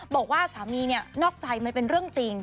บอกว่าสามีเนี่ยนอกใจมันเป็นเรื่องจริง